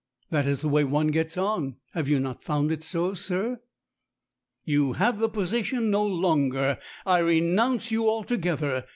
That is the way one gets on. Have you not found it so, sir?" "You have the position no longer. I renounce you altogether.